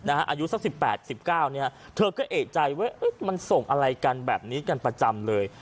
อายุสัก๑๘๑๙เธอก็เอกใจว่ามันส่งอะไรกันแบบนี้กันประจำเลย